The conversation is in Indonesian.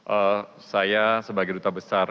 oh saya sebagai duta besar